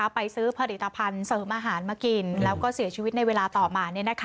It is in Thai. ไปซื้อผลิตภัณฑ์เสริมอาหารมากินแล้วก็เสียชีวิตในเวลาต่อมา